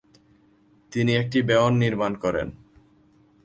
তিনি একটি বেয়ন নির্মাণ করেন।